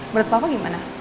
menurut papa gimana